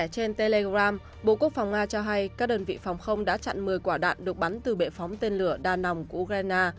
trên telegram bộ quốc phòng nga cho hay các đơn vị phòng không đã chặn một mươi quả đạn được bắn từ bệ phóng tên lửa đa nòng của ukraine